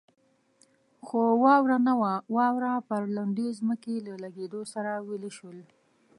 خو واوره نه وه، واوره پر لوندې ځمکې له لګېدو سره ویلې شول.